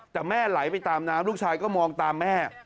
แต่แม่ไหลไปตามน้ำลูกชายก็มองตามแม่